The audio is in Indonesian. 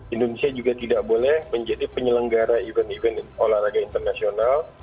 indonesia juga tidak boleh menjadi penyelenggara event event olahraga internasional